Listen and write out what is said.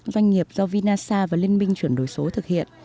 doanh nghiệp do vinasa và liên minh chuyển đổi số thực hiện